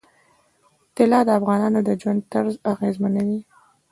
طلا د افغانانو د ژوند طرز اغېزمنوي.